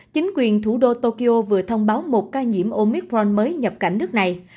chính quyền thủ đô tokyo vừa thông báo một ca nhiễm omicron mới nhập cảnh nước này